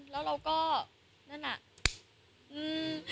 แล้วเราก็นั่นน่ะอืม